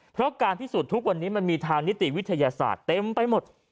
เพราะการพิสูจน์ทุกวันนี้มันมีทางนิติวิทยาศาสตร์เต็มไปหมด